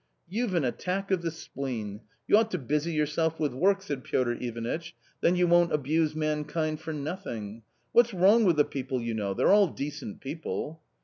" You've an attack of the spleen ! You ought to busy yourself with work," said Piotr Ivanitch, " then you won't abuse mankind for nothing. What's wrong with the people j you know ? they're all decent people."